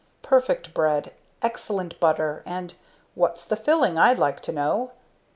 Perfect bread, excellent butter, and "What's the filling I'd like to know?"